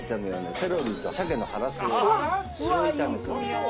セロリと鮭のハラス塩炒めうわ